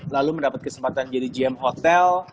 lalu mendapat kesempatan jadi gm hotel